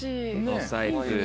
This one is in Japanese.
お財布。